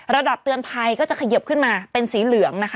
ระดับเตือนภัยก็จะเขยิบขึ้นมาเป็นสีเหลืองนะคะ